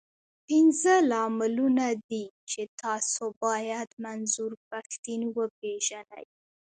پنځه لاملونه دي، چې تاسو بايد منظور پښتين وپېژنئ.